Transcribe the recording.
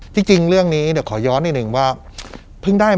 ที่จริงเรื่องนี้เดี๋ยวขอย้อนอีกหนึ่งว่า